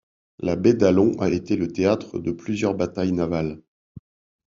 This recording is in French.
La baie d'Along a été le théâtre de plusieurs batailles navales.